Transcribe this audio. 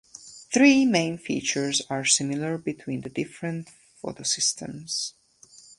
Three main features are similar between the different photosystems.